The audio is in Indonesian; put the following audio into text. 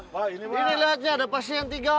wah ini liatnya ada pasti yang tiga